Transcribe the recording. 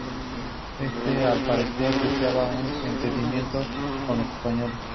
Éste, al parecer, deseaba un entendimiento con los españoles.